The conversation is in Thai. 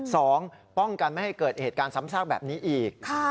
สองป้องกันไม่ให้เกิดเหตุการณ์ซ้ำซากแบบนี้อีก